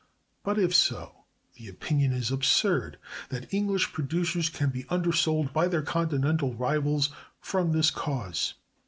But, if so, the opinion is absurd that English producers can be undersold by their Continental rivals from this cause.